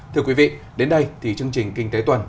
thưa quý vị đến đây thì chương trình kinh tế tuần